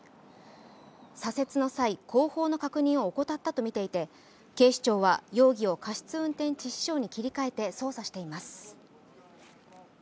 左折の際、後方の確認を怠ったとみていて警視庁は容疑を過失運転致死傷に切り替えて捜査しています。